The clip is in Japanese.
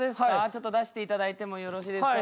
ちょっと出していただいてもよろしいですか？